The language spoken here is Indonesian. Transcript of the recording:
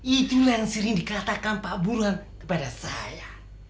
itulah yang sering dikatakan pak burhan kepada saya